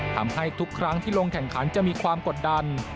ทำให้ทุกครั้งที่ลงแข่งขันจะมีความกดดัน